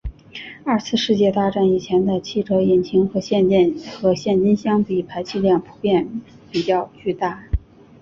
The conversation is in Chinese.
二次世界大战以前的汽车引擎和现今相比排气量普遍比较巨大。